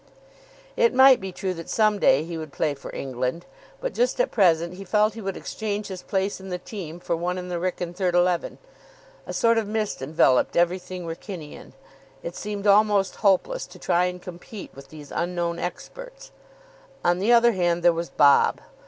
It might be true that some day he would play for England, but just at present he felt he would exchange his place in the team for one in the Wrykyn third eleven. A sort of mist enveloped everything Wrykynian. It seemed almost hopeless to try and compete with these unknown experts. On the other hand, there was Bob.